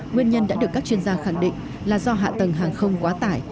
nguyên nhân đã được các chuyên gia khẳng định là do hạ tầng hàng không quá tải